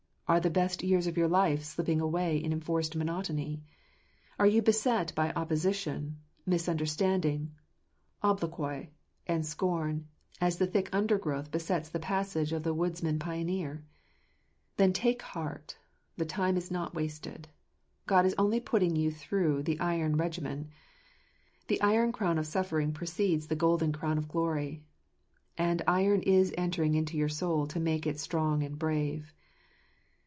Are the best years of your life slipping away in enforced monotony ? Are you beset by opposition, misunderstanding, obloquy, and scorn, as the thick under growth besets the passage of the woodsman pioneer ? Then take heart ; the time is not wasted ; God is only putting you through the iron regimen. The iron crown of suffering precedes the golden crown of glory. And iron is entering into your soul to make it strong and brave.